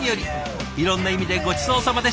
いろんな意味でごちそうさまでした。